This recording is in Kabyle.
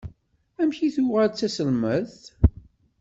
Amek i tuɣal d taselmadt?